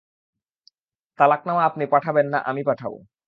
তালাকনামা আপনি পাঠাবেন না আমি পাঠাবো?